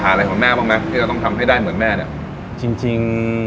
แทนเลยของแม่บ้างไหมที่จะต้องทำให้ได้เหมือนแม่เนี่ยจริง